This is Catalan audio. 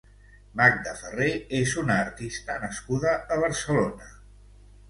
Magda Ferrer és una artista nascuda a Barcelona.